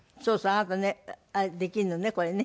あなたねできるのねこれね。